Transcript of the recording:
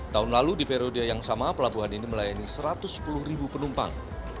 tahun lalu di periode yang sama pelabuhan ini melayani satu ratus sepuluh ribu penumpang